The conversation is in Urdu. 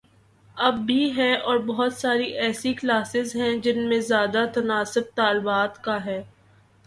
اب بھی ہے اور بہت ساری ایسی کلاسز ہیں جن میں زیادہ تناسب طالبات کا ہے۔